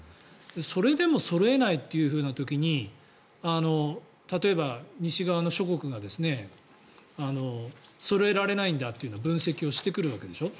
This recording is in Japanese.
それでもそろえないという時に例えば、西側の諸国がそろえられないんだという分析をしてくるわけでしょ。